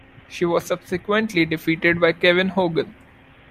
She was subsequently defeated by Kevin Hogan.